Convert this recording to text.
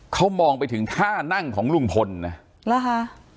เขามองไปถึงท่านั่งของลุงพลนะเหรอคะ